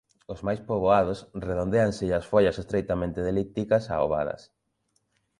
Os máis poboados redondéanselles as follas estreitamente de elípticas a ovadas.